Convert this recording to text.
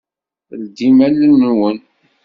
Ldim allen-nwen.